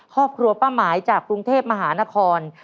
ครอบครัวป้าหมายจากกรุงเทพมหานคร